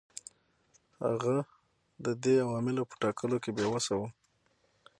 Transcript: هغه د دې عواملو په ټاکلو کې بې وسه و.